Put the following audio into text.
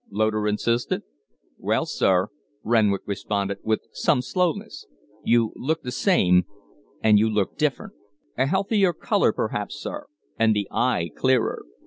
Loder insisted. "Well, sir," Renwick responded, with some slowness; "you look the same and you look different. A healthier color, perhaps, sir and the eye clearer."